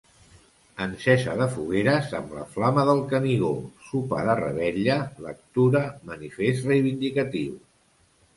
Encesa de fogueres amb la Flama del Canigó, sopar de revetlla, lectura manifest reivindicatiu.